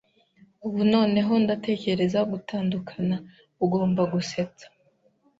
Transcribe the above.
"Ubu noneho ndatekereza gutandukana." "Ugomba gusetsa!"